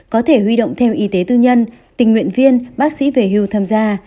có thể huy động thêm y tế tư nhân tình nguyện viên bác sĩ về hưu tham gia